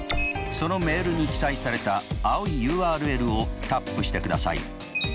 そのメールに記載された青いＵＲＬをタップしてください。